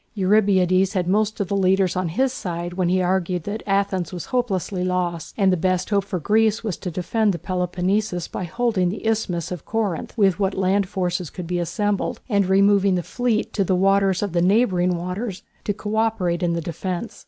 Eurybiades had most of the leaders on his side when he argued that Athens was hopelessly lost, and the best hope for Greece was to defend the Peloponnesus by holding the isthmus of Corinth with what land forces could be assembled and removing the fleet to the waters of the neighbouring waters to co operate in the defence.